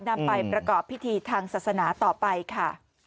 นำไปประกอบพิธีทางศาสนาต่อไปค่ะ